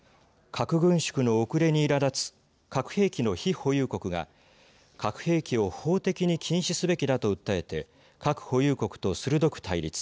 核軍縮の遅れに、いらだつ核兵器の非保有国が核兵器を法的に禁止すべきだと訴えて核保有国と鋭く対立。